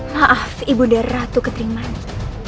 maaf ibu darah ratu ketrimani